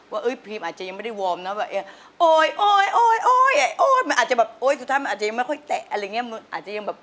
ว่าเอ๊ยพรีมอาจจะยังไม่ได้วอร์มนะแบบ